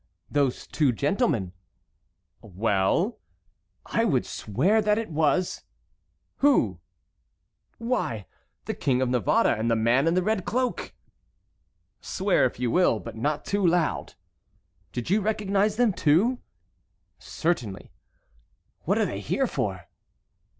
"Those two gentlemen." "Well?" "I would swear that it was"— "Who?" "Why—the King of Navarre and the man in the red cloak." "Swear if you will, but not too loud." "Did you recognize them too?" "Certainly." "What are they here for?"